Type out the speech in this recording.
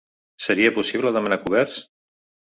Seria possible demanar coberts?